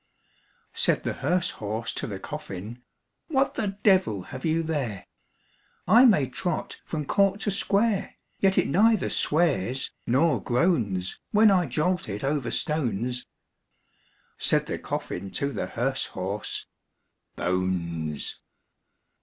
Said the hearse horse to the coffin, "What the devil have you there? I may trot from court to square, Yet it neither swears nor groans, When I jolt it over stones." Said the coffin to the hearse horse, "Bones!"